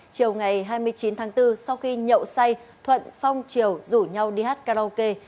chiều ngày hai mươi chín tháng bốn sau khi nhậu say thuận phong triều rủ nhau đi hát karaoke